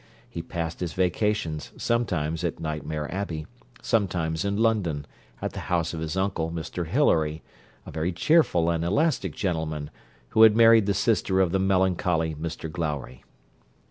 He passed his vacations sometimes at Nightmare Abbey, sometimes in London, at the house of his uncle, Mr Hilary, a very cheerful and elastic gentleman, who had married the sister of the melancholy Mr Glowry.